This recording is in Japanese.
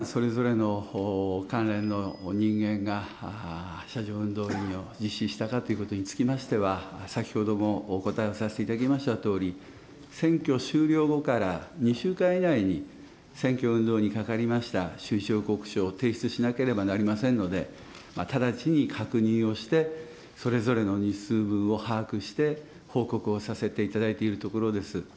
何日間それぞれの関連の人間が車上運動員を実施したかということにつきましては、先ほどもお答えをさせていただきましたとおり、選挙終了後から２週間以内に、選挙運動にかかりました収支報告書を提出しなければなりませんので、直ちに確認をして、それぞれの日数分を把握して、報告をさせていただいているところです。